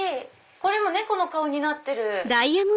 これも猫の顔になってる。